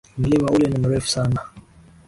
Mlima ule ni mrefu sana.